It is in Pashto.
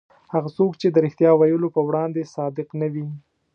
هغه څوک چې د رښتیا ویلو په وړاندې صادق نه وي.